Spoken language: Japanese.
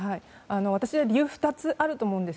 私は理由が２つあると思います。